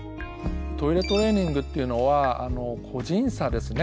トイレトレーニングっていうのは個人差ですね。